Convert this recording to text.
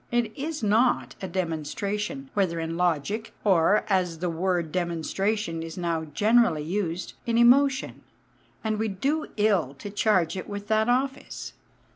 It is not a demonstration, whether in logic, or as the word demonstration is now generally used in emotion; and we do ill to charge it with that office.